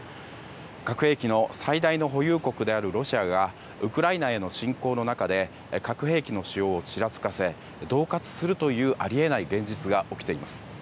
核兵器の最大の保有国であるロシアがウクライナへの侵攻の中で核兵器の使用をちらつかせ恫喝するというあり得ない現実が起きています。